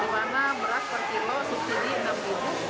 di mana beras per kilo subsidi rp enam